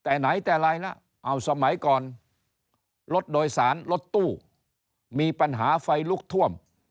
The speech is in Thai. แต่ไหนแต่ไรล่ะเอาสมัยก่อนรถโดยสารรถตู้มีปัญหาไฟลุกท่วม